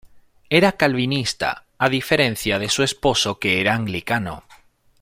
Era calvinista, a diferencia de su esposo que era anglicano.